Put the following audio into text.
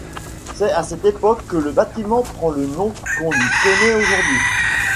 C'est à cette époque que le bâtiment prend le nom qu'on lui connait aujourd'hui.